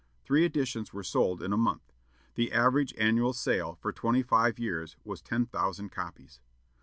Three editions were sold in a month. The average annual sale for twenty five years was ten thousand copies.